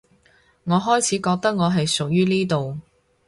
我開始覺得我係屬於呢度